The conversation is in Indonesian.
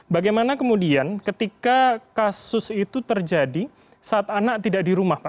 bagaimana kemudian ketika kasus itu terjadi saat anak tidak di rumah pak